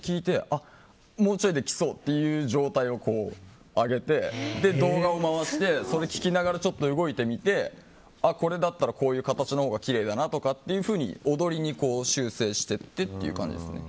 もうちょいできそうっていう状態を上げて動画を回してそれを聴きながら動いてみてこれだったらこういう形のほうがきれいだなとかって踊りに修正していってっていう感じですかね。